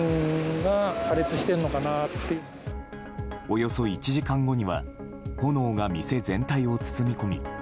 およそ１時間後には炎が店全体を包み込み